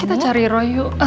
kita cari roy yuk